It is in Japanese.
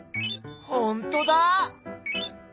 ほんとだ！